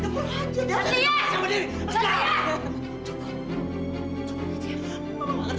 kenapa dia ngomong seperti itu